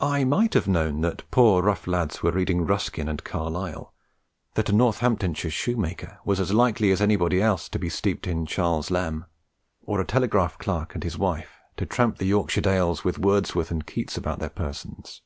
I might have known that rough poor lads were reading Ruskin and Carlyle, that a Northamptonshire shoemaker was as likely as anybody else to be steeped in Charles Lamb, or a telegraph clerk and his wife to tramp the Yorkshire dales with Wordsworth and Keats about their persons.